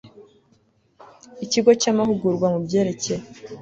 ikigo cy amahugurwa mu byerekeye